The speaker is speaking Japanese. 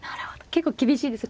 結構厳しいです。